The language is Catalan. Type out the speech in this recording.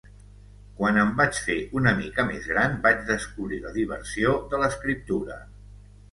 Quan em vaig fer una mica més gran vaig descobrir la diversió de l'escriptura.